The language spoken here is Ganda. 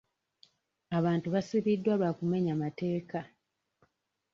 Abantu basibiddwa lwa kumenya mateeka.